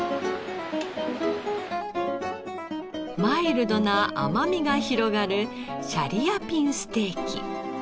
マイルドな甘みが広がるシャリアピンステーキ。